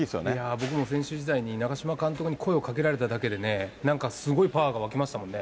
僕も選手時代に、長嶋監督に声をかけられただけで、なんかすごいパワーが湧きましたもんね。